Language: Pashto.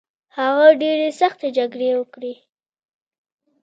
هغه ډیرې سختې جګړې وکړې